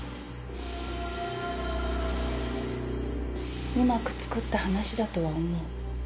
うまく作った話だとは思う。